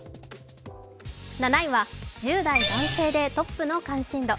７位は１０代男性でトップの関心度。